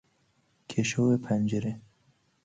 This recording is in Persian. کشو پنجره